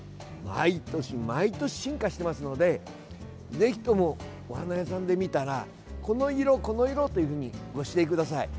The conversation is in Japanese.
毎年毎年、進化していますのでぜひともお花屋さんで見たらこの色、この色というふうにご指定ください。